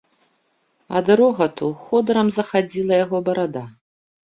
Ад рогату ходырам захадзіла яго барада.